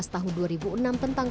dua belas tahun dua ribu enam tentang